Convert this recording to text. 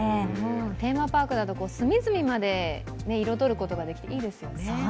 テーマパークだと隅々まで彩ることができて、いいですね。